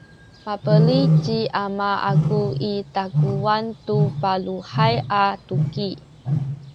pabeli ci ama aku i takuwan tu baluhay a tuki